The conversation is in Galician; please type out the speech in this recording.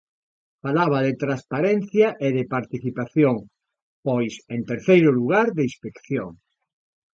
Falaba de transparencia e de participación; pois, en terceiro lugar, de inspección.